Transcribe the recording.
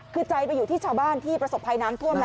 คือใจไปอยู่ที่ชาวบ้านที่ประสบภัยน้ำท่วมแล้ว